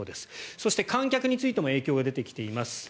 そして観客についても影響が出てきています。